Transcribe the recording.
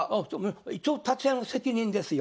一応立会の責任ですよ。